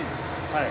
はい。